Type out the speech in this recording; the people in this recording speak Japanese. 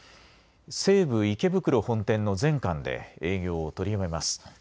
西武池袋本店の全館で営業を取りやめます。